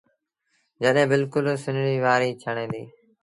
جڏهيݩ بلڪُل سنڙيٚ وآريٚ ڇڻي ديٚ۔